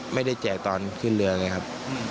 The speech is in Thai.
ไม่ได้แจกตอนขึ้นเรือนะครับ